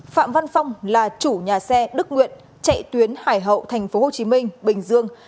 phạm văn phong là chủ nhà xe đức nguyện chạy tuyến hải hậu tp hcm bình dương